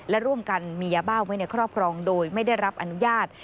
และร่วมกันมียาบ้าไว้ในครอบครองโดยไม่ได้รับอนุญาต